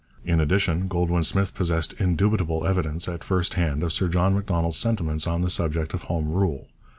In addition, Goldwin Smith possessed indubitable evidence, at first hand, of Sir John Macdonald's sentiments on the subject of Home Rule.